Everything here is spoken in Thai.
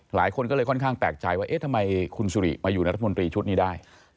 หลายคนก็เลยค่อนข้างแปลกใจว่าเอ๊ะทำไมคุณสุริมาอยู่รัฐมนตรีชุดนี้ได้